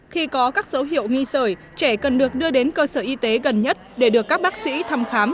khi có các dấu hiệu nghi sởi trẻ cần được đưa đến cơ sở y tế gần nhất để được các bác sĩ thăm khám